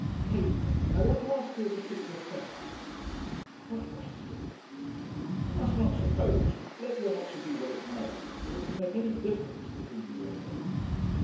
"Kate, I want to ask you a particular question." "What question?" "You must not suppose, let the answer be what it may, that it can make any difference between you and me."